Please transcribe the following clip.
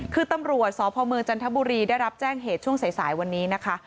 คือตำรวจสพเมืองจันทบุรีได้รับแจ้งเหตุช่วงสายวันนี้นะคะ